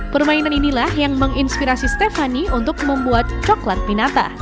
permainan inilah yang menginspirasi stephani untuk membuat coklat pinata